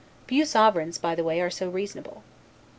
Few sovereigns (by the way) are so reasonable.